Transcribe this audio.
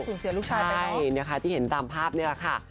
ซึ่งเสียลูกชายไปแล้วใช่ที่เห็นตามภาพนี้แหละค่ะ